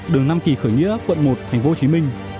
đường nam kỳ khởi nghĩa quận một tp hcm